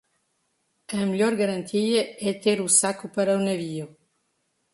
A melhor garantia é ter o saco para o navio.